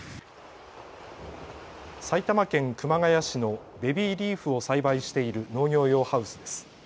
埼玉県熊谷市のベビーリーフを栽培している農業用ハウスです。